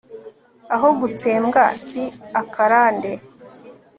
Aho gutsembwa si akarande